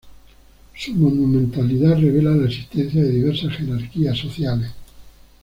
Su monumentalidad revela la existencia de diversas jerarquías sociales.